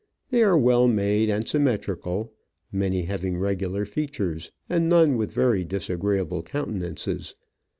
They are well made and symmetrical, many having regular features, and none with very disagreeable countenances.